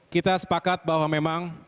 kita sepakat bahwa memang